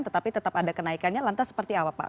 tetapi tetap ada kenaikannya lantas seperti apa pak